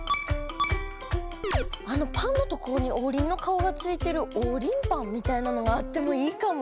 あのパンのところにオウリンの顔がついてるオウリンパンみたいなのがあってもいいかも。